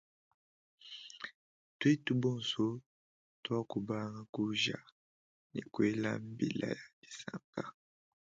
Twetu bonso twakubanga kuja ne kwela mbila ya disanka.